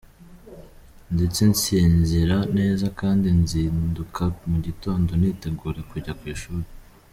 Ndetse nsinzira neza, kandi nzinduka mu gitondo nitegura kujya ku ishuli .